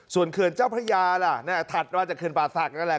ส่วนเขื่อนเจ้าพระยาล่ะถัดมาจากเขื่อนป่าศักดินั่นแหละ